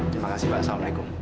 terima kasih pak assalamualaikum